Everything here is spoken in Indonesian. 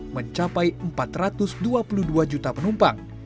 mencapai empat ratus dua puluh dua juta penumpang